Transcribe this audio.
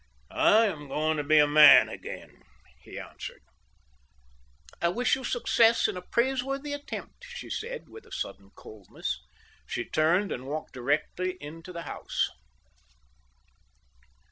"I am going to be a man again," he answered. "I wish you success in a praiseworthy attempt," she said, with a sudden coldness. She turned and walked directly into the house.